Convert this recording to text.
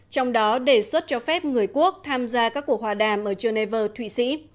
trong đó đề xuất cho phép người quốc tham gia các cuộc hòa đàm ở geneva thụy sĩ